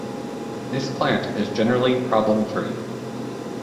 This plant is generally problem free.